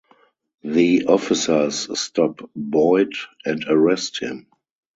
The officers stop Boyd and arrest him.